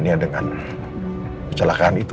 hal yang mengancam keluarga kamu